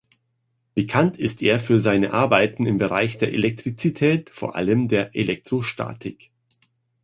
Bekannt ist er für seine Arbeiten im Bereich der Elektrizität, vor allem der Elektrostatik.